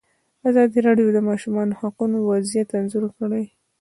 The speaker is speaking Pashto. ازادي راډیو د د ماشومانو حقونه وضعیت انځور کړی.